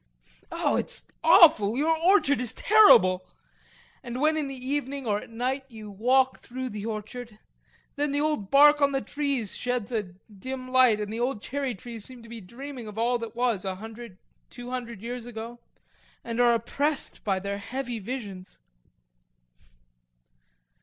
Oh, it's awful, your orchard is terrible; and when in the evening or at night you walk through the orchard, then the old bark on the trees sheds a dim light and the old cherry trees seem to be dreaming of all that was a hundred, two hundred years ago, and are oppressed by their heavy visions.